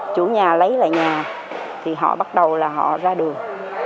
chủ nhà lấy lại nhà thì họ bắt đầu ra đường